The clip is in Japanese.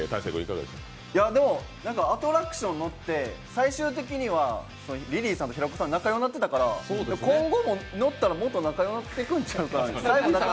アトラクション乗って、最終的にはリリーさんと平子さん、なかようなってたから今後も乗ったらもっと仲良くなっていくんじゃないかなと。